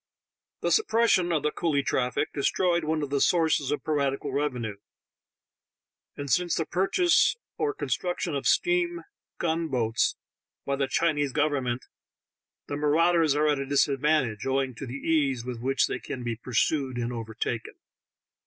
The suppression of the coolie traffic destroyed one of the sources of piratical revenue, and since the purchase or construction of steam gun boats by the Chinese government the marau ders are at a disadvantage, owing to the ease with which they can be pursued and overtaken.